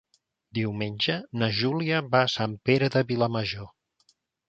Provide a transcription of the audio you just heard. Diumenge na Júlia va a Sant Pere de Vilamajor.